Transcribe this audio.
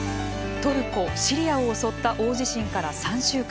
トルコ・シリアを襲った大地震から３週間。